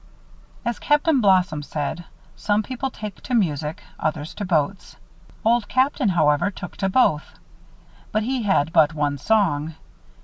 As Captain Blossom said, some people take to music, others to boats. Old Captain, however, took to both; but he had but one song.